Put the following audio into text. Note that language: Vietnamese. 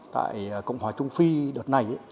tại cộng hòa trung phi đợt này